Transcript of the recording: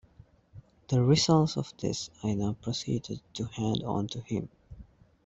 The results of this I now proceeded to hand on to him.